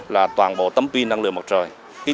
là toàn bộ tấm pin năng lượng mặt trời